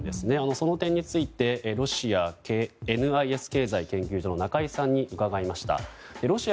その点についてロシアＮＩＳ経済研究所の中居さんに伺いました。